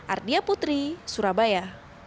ardia putri surabaya